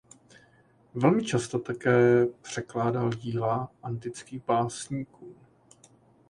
Velmi často také překládal díla antických básníků.